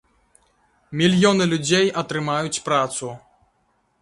Мільёны людзей атрымаюць працу.